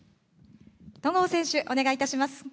戸郷選手、お願いいたします。